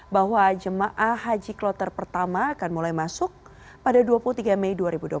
bahwa jemaah haji kloter pertama akan mulai masuk pada dua puluh tiga mei dua ribu dua puluh satu